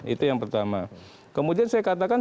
itu yang pertama kemudian saya katakan